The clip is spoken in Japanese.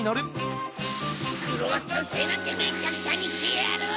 クロワッサンせいなんてめちゃくちゃにしてやる！